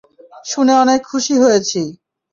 শুনে অনেক খুশি হয়েছি।